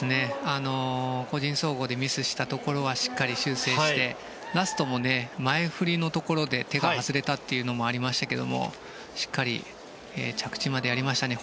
個人総合でミスしたところはしっかり修正してラストも前振りのところで手が外れたところはありましたがしっかり着地までやりましたね。